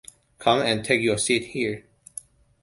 Come and take your seat here.